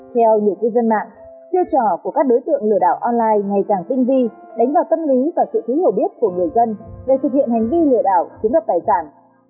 theo nhiều cư dân mạng chiêu trò của các đối tượng lừa đảo online ngày càng tinh vi đánh vào tâm lý và sự thiếu hiểu biết của người dân để thực hiện hành vi lừa đảo chiếm đoạt tài sản